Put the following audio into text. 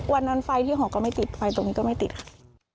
ไฟที่หอก็ไม่ติดไฟตรงนี้ก็ไม่ติดค่ะ